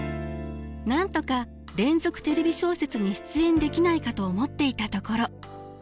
なんとか「連続テレビ小説」に出演できないかと思っていたところ。